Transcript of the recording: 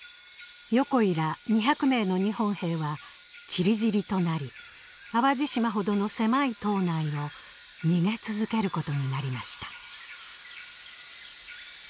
横井ら２００名の日本兵はちりぢりとなり淡路島ほどの狭い島内を逃げ続けることになりました。